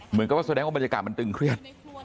เหมือนกับว่าแสดงว่าบรรยากาศมันตึงเครียด